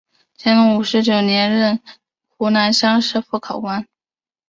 乾隆五十九年任湖南乡试副考官。